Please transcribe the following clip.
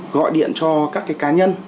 gọi điện cho các cá nhân